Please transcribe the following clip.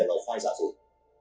là hậu khoai giả rồi